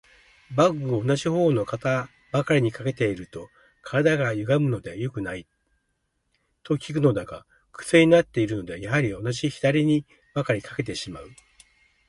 バッグを同じ方の肩ばかりに掛けていると、体がゆがむので良くない、と聞くのだが、クセになっているので、やはり同じ左にばかり掛けてしまう。